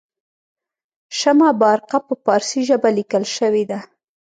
شمه بارقه په پارسي ژبه لیکل شوې ده.